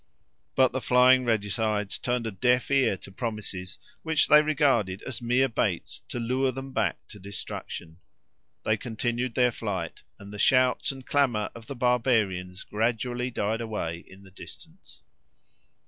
But the flying regicides turned a deaf ear to promises which they regarded as mere baits to lure them back to destruction; they continued their flight, and the shouts and clamour of the barbarians gradually died away in the distance.